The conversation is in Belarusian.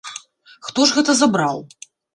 Хто ж гэта забраў?